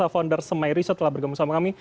founder semai riset telah bergabung sama kami